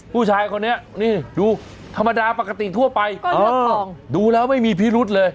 ผู้ชายคนนี้นี่ดูธรรมดาปกติทั่วไปดูแล้วไม่มีพิรุษเลย